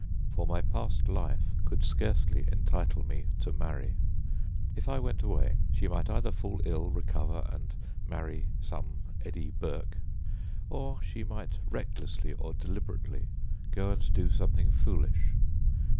For my past life could scarcely entitle me to marry. If I went away she might either fall ill, recover, and marry some Eddie Burke, or she might recklessly or deliberately go and do something foolish.